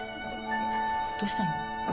どしたの？